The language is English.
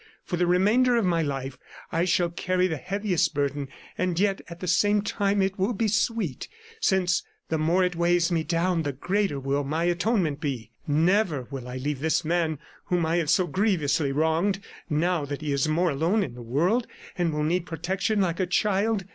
For the remainder of my life, I shall carry the heaviest burden, and yet at the same time it will be sweet, since the more it weighs me down the greater will my atonement be. Never will I leave this man whom I have so grievously wronged, now that he is more alone in the world and will need protection like a child.